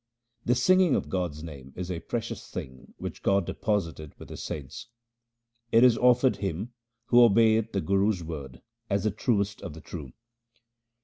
The singing of God's name is a precious thing which God deposited with His saints. It is offered him who obeyeth the Guru's word as the truest of the true.